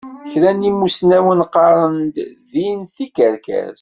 Kran n yimussnawen qqaṛen-d ddin d tikerkas.